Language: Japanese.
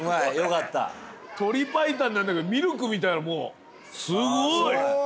鶏白湯なんだけどミルクみたいなもうすごい。